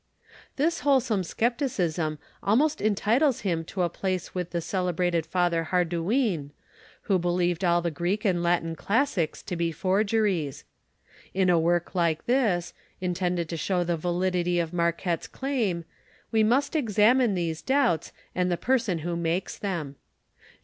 This wholesale skepticism almost entitles him to a place with the celebrated Father Ilardouin, who believed all ho Greek and Latin lassies to be forgeries. In a work like this, intended to hIiow the validity of Marquette's claim, we must examine these doubts, and the person who makes them.